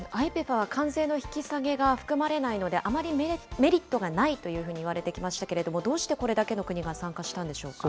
ＩＰＥＦは関税の引き下げが含まれないので、あまりメリットがないというふうにいわれてきましたけれども、どうしてこれだけの国が参加したんでしょうか。